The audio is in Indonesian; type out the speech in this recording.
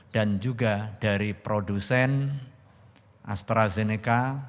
dan juga dari produsen astrazeneca